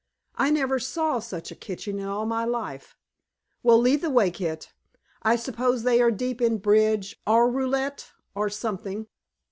I never saw such a kitchen in all my life. Well, lead the way, Kit. I suppose they are deep in bridge, or roulette, or something."